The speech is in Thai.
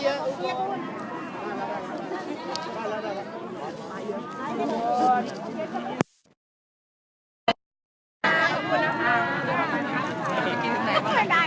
ป่านเยอะป่านเยอะ